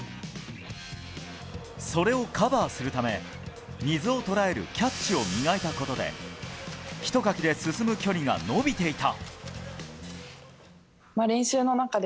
それをカバーするため水を捉えるキャッチを磨いたことでひとかきで進む距離が延びていた。